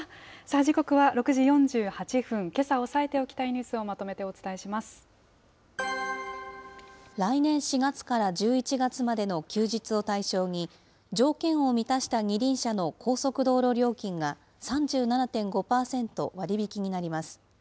時刻は６時４８分、けさ押さえておきたいニュースをまとめてお伝来年４月から１１月までの休日を対象に、条件を満たした二輪車の高速道路料金が３７．５％割り引きになります。